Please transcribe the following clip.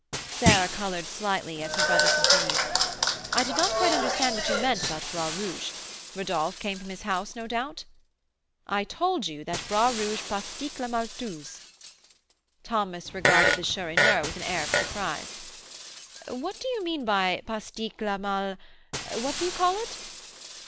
Sarah coloured slightly as her brother continued, "I did not quite understand what you meant about Bras Rouge. Rodolph came from his house, no doubt?" "I told you that Bras Rouge pastique la maltouze." Thomas regarded the Chourineur with an air of surprise. "What do you mean by pastique la mal What do you call it?"